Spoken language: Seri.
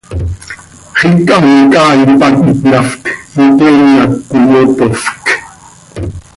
Xiica an icaai pac itnaft, iteen hac cöiyopofc.